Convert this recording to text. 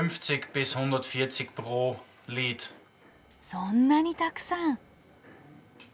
そんなにたくさん。